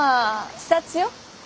視察よ。